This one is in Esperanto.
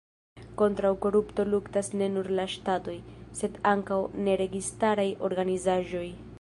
Kontraŭ korupto luktas ne nur la ŝtatoj, sed ankaŭ neregistaraj organizaĵoj.